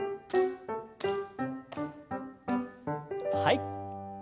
はい。